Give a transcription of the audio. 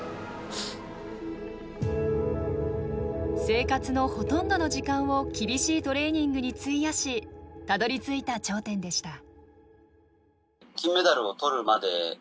生活のほとんどの時間を厳しいトレーニングに費やしたどりついた頂点でした。